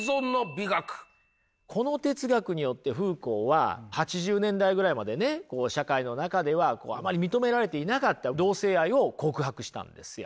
この哲学によってフーコーは８０年代ぐらいまでねこう社会の中ではあまり認められていなかった同性愛を告白したんですよ。